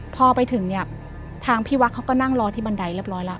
พอไปถึงเนี่ยทางพี่วัดเขาก็นั่งรอที่บันไดเรียบร้อยแล้ว